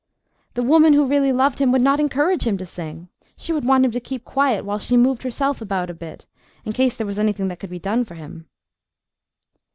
The woman who really loved him would not encourage him to sing. She would want him to keep quiet while she moved herself about a bit, in case there was anything that could be done for him.